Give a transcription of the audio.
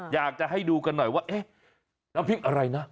อยากจะให้ดูกันหน่อยว่าเอ๊ะน้ำพริกอะไรนะ